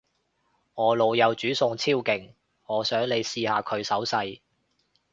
我老友煮餸超勁，我想你試下佢手勢